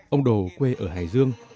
ông đồ quê ở hải dương